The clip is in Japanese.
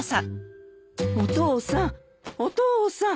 お父さんお父さん。